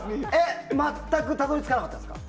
全くたどり着かなかったですか？